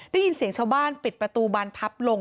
ได้ยินเสียงชาวบ้านปิดประตูบานพับลง